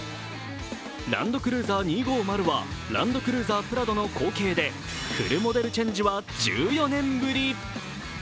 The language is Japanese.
ランドクルーザー２５０はランドクルーザープラドの後継でフルモデルチェンジは１４年ぶり。